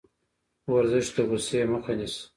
ورزش د غوسې مخه نیسي.